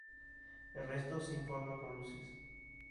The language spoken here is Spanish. El resto se informa con luces.